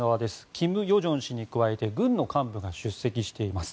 金与正氏に加えて軍の幹部が出席しています。